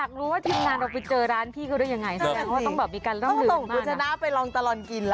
คือต้องของคุณชนะไปลองจรลอนกิน